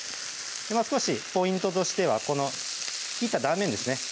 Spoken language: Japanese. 少しポイントとしてはこの切った断面ですね